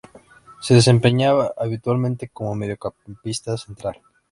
Se desempeña habitualmente como mediocampista central.